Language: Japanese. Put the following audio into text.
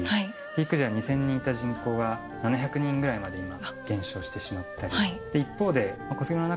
ピーク時は２０００人いた人口が７００人ぐらいまでに今減少してしまったり。